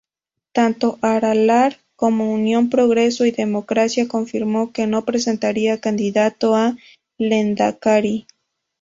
Tanto Aralar como Unión Progreso y Democracia confirmaron que no presentarían candidato a Lendakari.